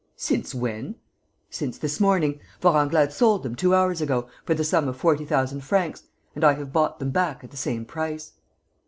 "Since when?" "Since this morning. Vorenglade sold them, two hours ago, for the sum of forty thousand francs; and I have bought them back at the same price."